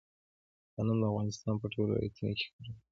غنم د افغانستان په ټولو ولایتونو کې کرل کیږي.